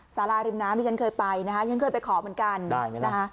สาราริมน้ำที่ฉันเคยไปนะคะฉันเคยไปขอเหมือนกันนะคะ